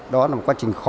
đó là một quá trình khó